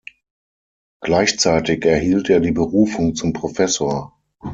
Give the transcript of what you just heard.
Gleichzeitig erhielt er die Berufung zum Professor.